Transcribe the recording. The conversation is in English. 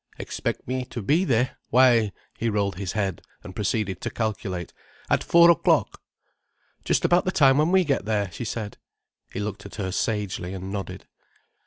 "Expect me to be there? Why—" he rolled his eyes and proceeded to calculate. "At four o'clock." "Just about the time when we get there," she said. He looked at her sagely, and nodded.